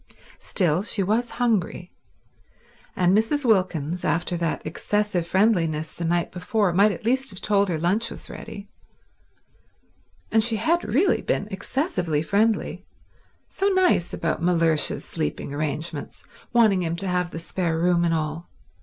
Still, she was hungry; and Mrs. Wilkins, after that excessive friendliness the night before, might at least have told her lunch was ready. And she had really been excessively friendly—so nice about Mellersh's sleeping arrangements, wanting him to have the spare room and all.